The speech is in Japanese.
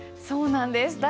そうなんです。